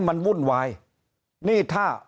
เพราะสุดท้ายก็นำไปสู่การยุบสภา